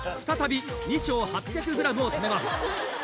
再び２丁８００ｇを食べます。